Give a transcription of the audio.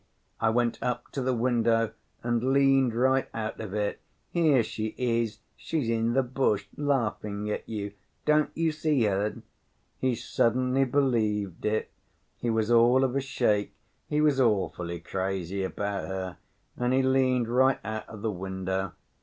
I went up to the window and leaned right out of it. 'Here she is; she's in the bush, laughing at you, don't you see her?' He suddenly believed it; he was all of a shake—he was awfully crazy about her—and he leaned right out of the window.